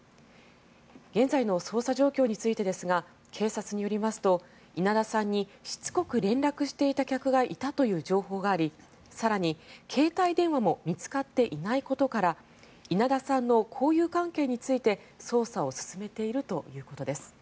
現在の捜査状況についてですが警察によりますと稲田さんにしつこく連絡していた客がいたという情報があり更に、携帯電話も見つかっていないことから稲田さんの交友関係について捜査を進めているということです。